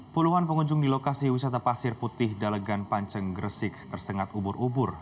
puluhan pengunjung di lokasi wisata pasir putih dalegan panceng gresik tersengat ubur ubur